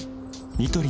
ニトリ